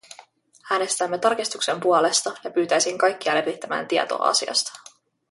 Äänestämme tarkistuksen puolesta, ja pyytäisin kaikkia levittämään tietoa asiasta.